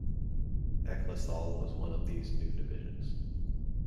Ecclesall was one of these new divisions.